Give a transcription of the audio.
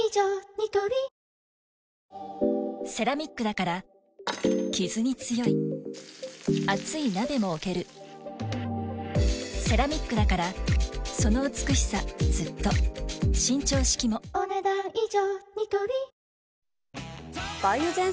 ニトリセラミックだからキズに強い熱い鍋も置けるセラミックだからその美しさずっと伸長式もお、ねだん以上。